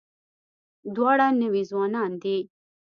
دواړه نوي ځوانان دي.